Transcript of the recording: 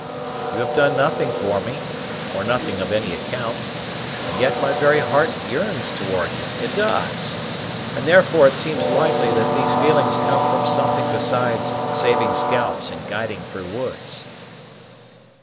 You have done nothing for me, or nothing of any account, and yet my very heart yearns towards you, it does; and therefore it seems likely that these feelings come from something besides saving scalps and guiding through woods."